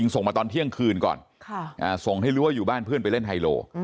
ส่งมาตอนเที่ยงคืนก่อนส่งให้รู้ว่าอยู่บ้านเพื่อนไปเล่นไฮโล